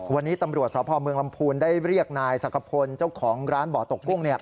วันนี้ตำรวจสพเมืองลำพูนได้เรียกนายสักขพลเจ้าของร้านบ่อตกกุ้ง